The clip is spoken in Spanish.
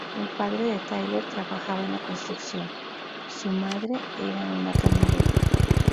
El padre de Tyler trabajaba en la construcción, su madre era una camarera.